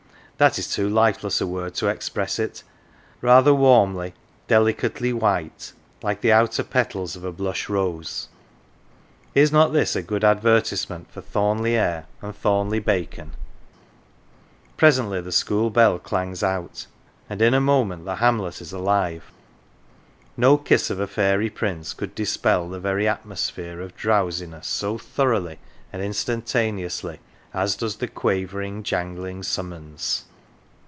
that is too lifeless a word to express it rather warmly, delicately white, like the outer petals of a blush rose. Is not this a good advertisement for Thornleigh air and Thornleigh bacon ? Presently the school bell clangs out, and in a moment the hamlet is alive ; no kiss of a fairy prince could dispel the very atmosphere of drowsiness so thoroughly and instantaneously as does the quavering jangling summons.